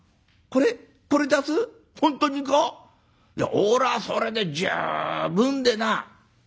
俺はそれで十分でな」。